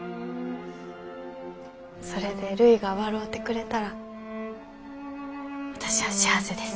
それでるいが笑うてくれたら私は幸せです。